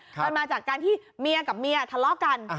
มันมาจากการที่เมียกับเมียทะเลาะกัน